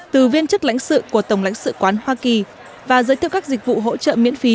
từ viên chức lãnh sự của tổng lãnh sự quán hoa kỳ và giới thiệu các dịch vụ hỗ trợ miễn phí